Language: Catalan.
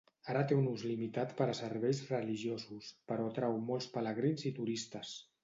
Ara té un ús limitat per a serveis religiosos, però atrau molts pelegrins i turistes.